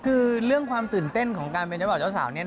คือเรื่องความตื่นเต้นของการเป็นเจ้าบ่าวเจ้าสาวเนี่ย